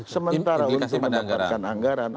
sementara untuk mendapatkan anggaran